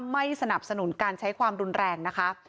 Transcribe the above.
ไม่สนับสนุนการใช้ความรุนแรงนะคะ